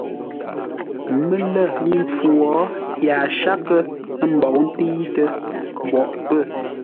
Mələ mi mpfu wo yaa shaghʼə́ ə́ mbou ntə̂itə́ mboʼ pə́.